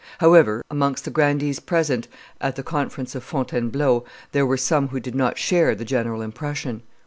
However, amongst the grandees present at the conference of Fontainebleau there were some who did not share the general impression.